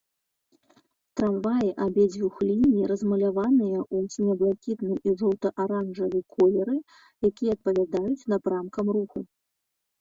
Трамваі абедзвюх ліній размаляваныя ў сіне-блакітны і жоўта-аранжавы колеры, якія адпавядаюць напрамкам руху.